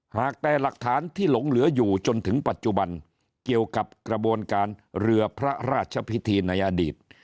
หากแต่หลักฐานที่หลงเหลืออยู่จนถึงปัจจุบันเกี่ยวกับกระบวนการเรือพระราชพิธีในอดีต